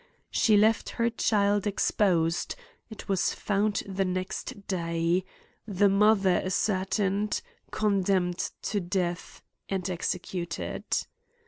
She left her child exposed ; it was found the next dav ; the mother ascertained ; condemn ed to death, and executed.